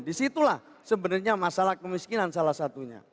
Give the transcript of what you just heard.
disitulah sebenarnya masalah kemiskinan salah satunya